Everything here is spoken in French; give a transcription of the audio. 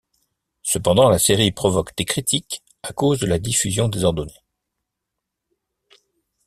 Cependant, la série provoque des critiques à cause de la diffusion désordonnée.